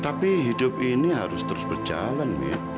tapi hidup ini harus terus berjalan ya